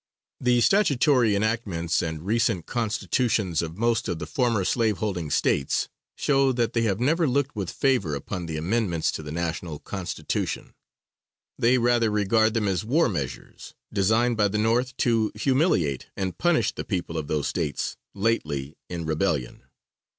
The statutory enactments and recent Constitutions of most of the former slave holding States, show that they have never looked with favor upon the amendments to the national Constitution. They rather regard them as war measures designed by the North to humiliate and punish the people of those States lately in rebellion.